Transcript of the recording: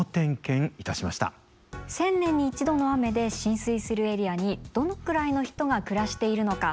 １０００年に１度の雨で浸水するエリアにどのくらいの人が暮らしているのか。